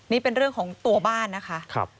นี่เป็นเรื่องของตัวบ้านนะคะ